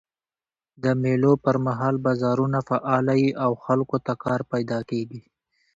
د مېلو پر مهال بازارونه فعاله يي او خلکو ته کار پیدا کېږي.